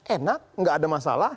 enak nggak ada masalah